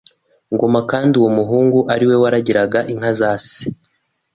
Ngoma kandi uwo muhungu ari we waragiraga inka za se